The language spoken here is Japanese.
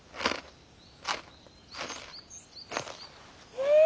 うん！